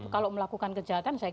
kalau melakukan kejahatan saya kira